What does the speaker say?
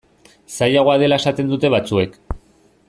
Zailagoa dela esaten dute batzuek.